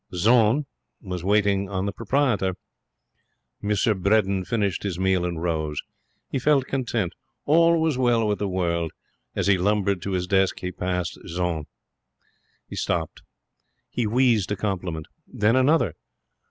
Jeanne was waiting on the proprietor. M. Bredin finished his meal and rose. He felt content. All was well with the world. As he lumbered to his desk he passed Jeanne. He stopped. He wheezed a compliment. Then another.